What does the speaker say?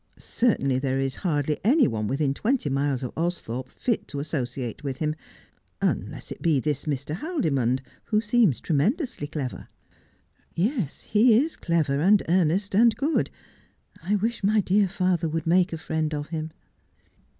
Certainly there is hardly any one within twenty miles of Austhorpe fit to associate with him, unless it be this Mr. Haldimond, who seems tremendously clever.' 'Yes, he is clever and earnest and good. I wish my dear father would make a friend of him.'